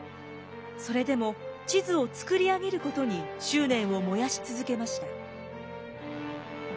それでも地図を作り上げることに執念を燃やし続けました。